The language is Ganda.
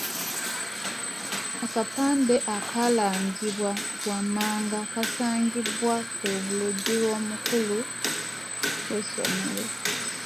Akapande akalagibwa wammanga kaasangibwa ku luggi lw’omukulu w'essomero.